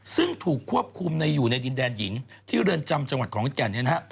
ซึ่งถูกควบคุมในอยู่ในดินแดนหญิงที่เรินจำจังหวัดของวิทยาลัยเนี่ยนะฮะ